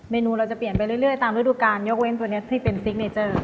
นูเราจะเปลี่ยนไปเรื่อยตามฤดูการยกเว้นตัวนี้ที่เป็นซิกเนเจอร์